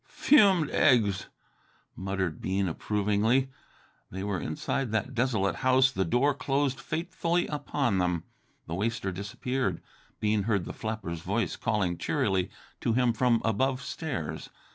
"Fumed eggs!" murmured Bean approvingly. They were inside that desolated house, the door closed fatefully upon them. The waster disappeared. Bean heard the flapper's voice calling cheerily to him from above stairs.